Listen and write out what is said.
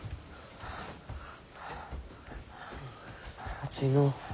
熱いのう。